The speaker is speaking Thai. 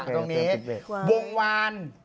ตรงนี้วงวาน